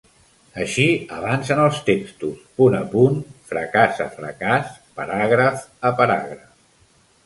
Així avancen els textos, punt a punt, fracàs a fracàs, paràgraf a paràgraf.